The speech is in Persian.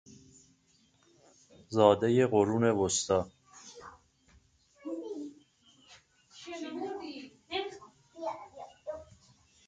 زادهی قرون وسطی